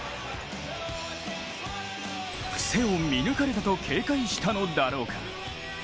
癖を見抜かれたと警戒したのだろうか。